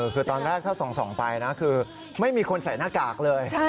คือตอนแรกถ้าส่องไปนะคือไม่มีคนใส่หน้ากากเลย